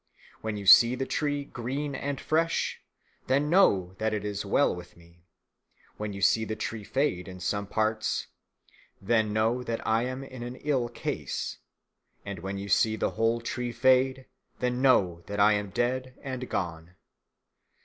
When you see the tree green and fresh, then know that it is well with me; when you see the tree fade in some parts, then know that I am in an ill case; and when you see the whole tree fade, then know that I am dead and gone."